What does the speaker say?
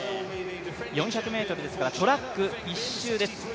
４００ｍですから、トラック１周です。